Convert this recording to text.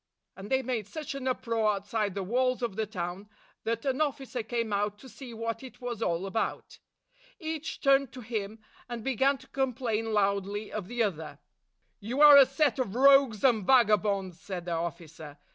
" And they made such an uproar outside the walls of the town that an officer came out to see what it was all about. Each turned to him, and began to complain loudly of the other. "You are a set of rogues and vagabonds!" said the officer.